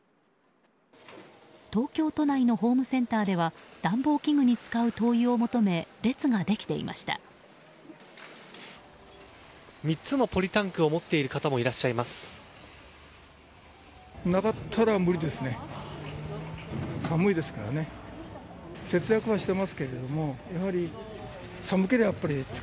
東京都内のホームセンターでは暖房器具に使う灯油を求め３つのポリタンクを持っている方もいらっしゃいます。